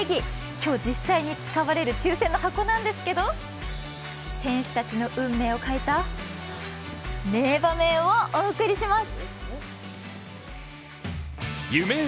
今日、実際に使われる抽選の箱なんですけど、選手たちの運命を変えた名場面をお送りします